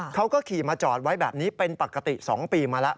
เขาก็ขี่มาจอดไว้แบบนี้เป็นปกติ๒ปีมาแล้ว